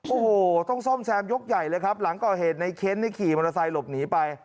โอ้โหต้องซ่อมแซมยกใหญ่เลยครับหลังก่อเหตุในเค้นนี่ขี่มอเตอร์ไซค์หลบหนีไป